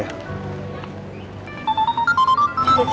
aku berangkat dulu ya